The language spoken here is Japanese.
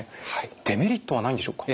デメリットはないんでしょうか。